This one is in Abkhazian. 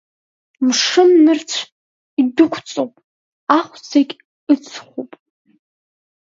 Мшын-нырцә идәықәҵоуп, ахә зегь ыҵхуп.